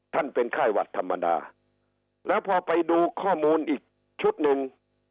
เป็นไข้หวัดธรรมดาแล้วพอไปดูข้อมูลอีกชุดหนึ่ง